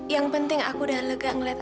yang penting aku udah lega melihat